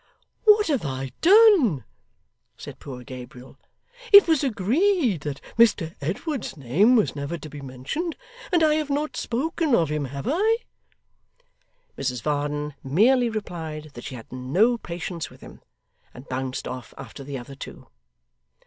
'What have I done?' said poor Gabriel. 'It was agreed that Mr Edward's name was never to be mentioned, and I have not spoken of him, have I?' Mrs Varden merely replied that she had no patience with him, and bounced off after the other two.